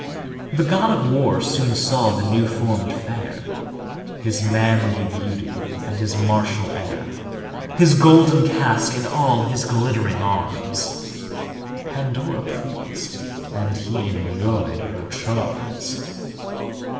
The god of war soon saw the new formed fair; His manly beauty and his martial air, His golden casque and all his glittering arms Pandora pleased, and he enjoyed her charms.